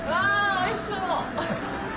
おいしそう！